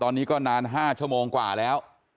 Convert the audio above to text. ตอนนี้ก็นาน๕ชั่วโมงกว่าแล้ว